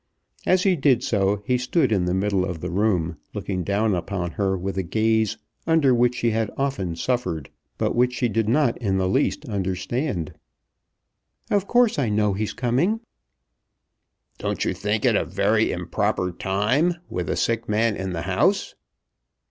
As he did so he stood in the middle of the room, looking down upon her with a gaze under which she had often suffered, but which she did not in the least understand. "Of course I know he's coming." "Don't you think it a very improper time, with a sick man in the house?"